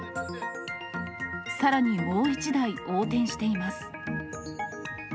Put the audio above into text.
さらにもう一台、横転しています。